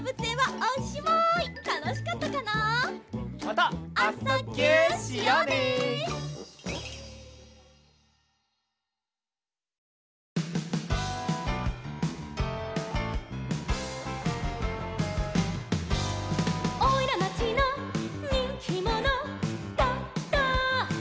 「おいらまちのにんきもの」「ドド」